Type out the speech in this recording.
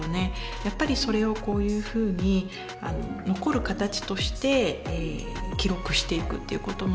やっぱりそれをこういうふうに残る形として記録していくっていうこともやっぱりすごく大事ですね。